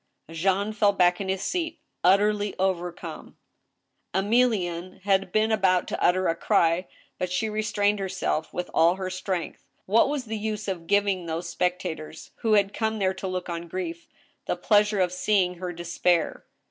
Jean fell back in his seat, utterly overcome. Emilienne had been about to utter a cry, but she restrained her self with all her strength. What was the use of giving those spec tators, who had come there to look on grief, the pleasure of seeing her despair